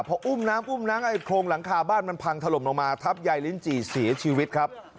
พออุ้มน้ำอุ้มน้ำไอ้โครงหลังคาบ้านมันพังถล่มลงมาทับยายลิ้นจี่เสียชีวิตครับ